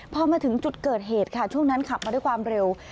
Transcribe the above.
พอมาถึงจุดเกิดเหตุค่ะช่วงนั้นขับมาด้วยความเร็ว